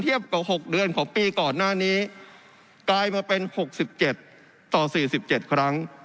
กว่า๖เดือนของปีก่อนหน้านี้กลายมาเป็น๖๗ต่อ๔๗ครั้ง